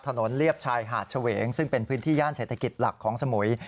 เลียบชายหาดเฉวงซึ่งเป็นพื้นที่ย่านเศรษฐกิจหลักของสมุย